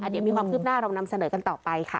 เดี๋ยวมีความคืบหน้าเรานำเสนอกันต่อไปค่ะ